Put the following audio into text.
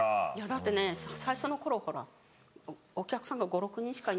だってね最初の頃からお客さんが５６人しか。